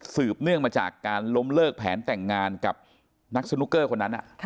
เนื่องมาจากการล้มเลิกแผนแต่งงานกับนักสนุกเกอร์คนนั้น